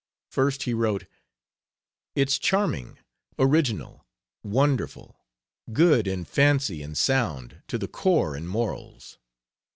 First he wrote: "It's charming, original, wonderful! good in fancy and sound to the core in morals."